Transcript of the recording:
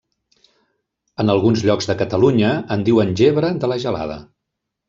En alguns llocs de Catalunya, en diuen gebre de la gelada.